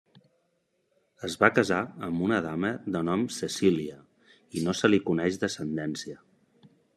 Es va casar amb una dama de nom Cecília i no se li coneix descendència.